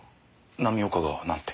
浪岡がなんて？